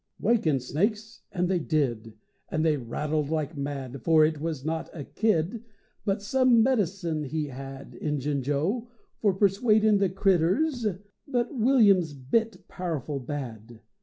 Waken snakes! and they did And they rattled like mad; For it was not a "kid," But some medicine he had, Injun Joe, for persuadin' the critters but William's bit powerful bad.